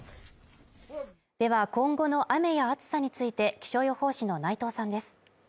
では今後の雨や暑さについて気象予報士の内藤さんです。